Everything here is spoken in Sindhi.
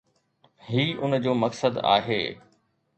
هي ان جو مقصد آهي